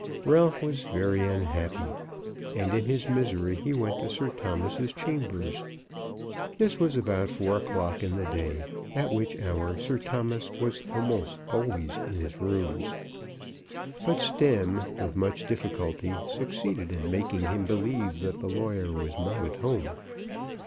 Ralph was very unhappy, and in his misery he went to Sir Thomas's chambers. This was about four o'clock in the day, at which hour Sir Thomas was almost always in his rooms. But Stemm with much difficulty succeeded in making him believe that the lawyer was not at home.